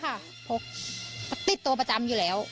ใช่ค่ะพกติดตัวประจำอยู่แล้ว